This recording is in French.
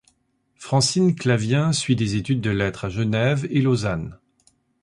Francine Clavien suit des études de lettres à Genève et Lausanne.